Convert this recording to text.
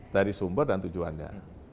dari sumber dan tujuannya